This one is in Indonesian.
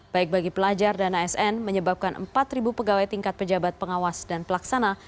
baik bagi pelajar dan asn menyebabkan empat pegawai tingkat pejabat pengawas dan pelaksana